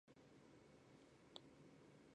其余规则照本将棋。